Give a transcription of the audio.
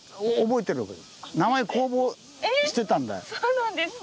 えっそうなんですか。